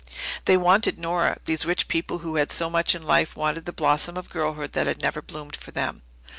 They wanted Nora these rich people who had so much in life wanted the blossom of girlhood that had never bloomed for them.